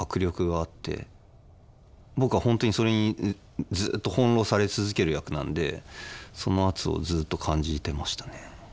僕は本当にそれにずっと翻弄され続ける役なんでその圧をずっと感じてましたね。